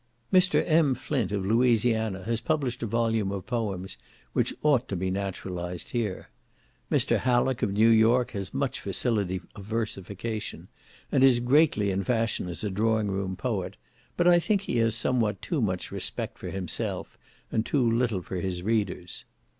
Mr. M. Flint, of Louisiana, has published a volume of poems which ought to be naturalised here. Mr. Hallock, of New York, has much facility of versification, and is greatly in fashion as a drawing room poet, but I think he has somewhat too much respect for himself, and too little for his readers.